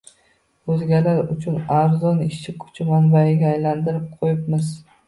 O‘zgalar uchun arzon ishchi kuchi manbaiga aylantirib qo‘yibmiz.